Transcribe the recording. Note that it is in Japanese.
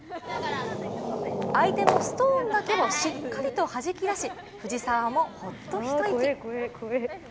相手のストーンだけをしっかりとはじき出し、藤澤もほっと一息。